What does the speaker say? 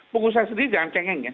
pengusaha sendiri jangan cengeng ya